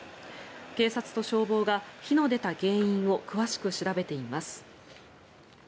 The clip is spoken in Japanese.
警察と消防が火の出た原因を詳しく調べています。